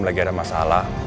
lagi ada masalah